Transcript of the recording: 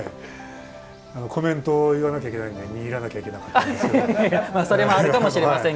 コメントを言わなきゃいけないのに見入らなきゃいけなかったんです。